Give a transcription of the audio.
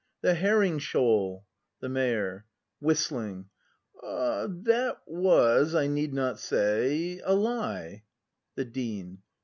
The herrinff shoal ! "to The Mayor. That was, I need not say, a lie. The Dean.